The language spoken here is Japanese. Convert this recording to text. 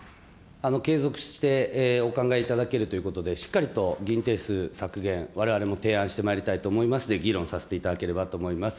継続してお考えいただけるということで、しっかりと議員定数削減、われわれも提案してまいりたいと思いますので、議論させていただければと思います。